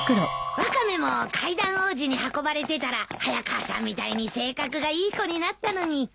ワカメも階段王子に運ばれてたら早川さんみたいに性格がいい子になったのに。